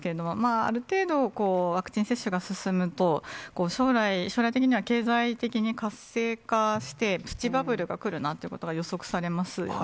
ある程度、ワクチン接種が進むと、将来的には、経済的に活性化して、プチバブルが来るなということが予測されますよね。